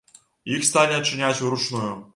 Іх сталі адчыняць уручную.